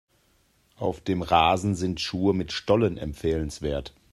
Auf dem Rasen sind Schuhe mit Stollen empfehlenswert.